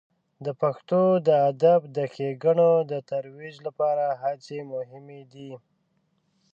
د پښتو د ادب د ښیګڼو د ترویج لپاره هڅې مهمې دي.